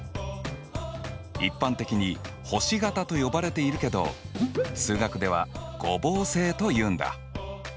一般的に星形と呼ばれているけど数学では五ぼう星というんだ。